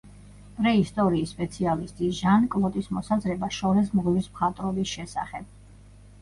პრეისტორიის სპეციალისტის, ჟან კლოტის მოსაზრება შორეს მღვიმის მხატვრობის შესახებ